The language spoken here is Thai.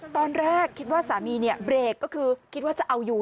ตอนแรกคิดว่าสามีเนี่ยเบรกก็คือคิดว่าจะเอาอยู่